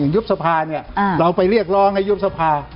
อย่างยุบสภาเราไปเรียกรองให้ยุบสภา